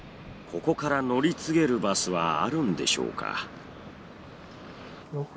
ここから乗り継げるバスはあるんでしょうか？